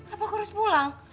apa aku harus pulang